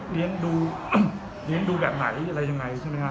เลี้ยงดูแบบไหนอะไรยังไงใช่มั้ยครับ